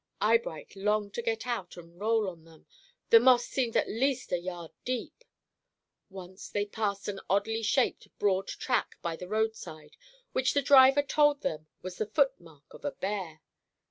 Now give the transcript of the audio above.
Eyebright longed to get out and roll on them; the moss seemed at least a yard deep. Once they passed an oddly shaped broad track by the road side, which the driver told them was the foot mark of a bear.